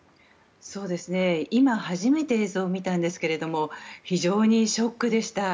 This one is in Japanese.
今、初めて映像を見たんですが非常にショックでした。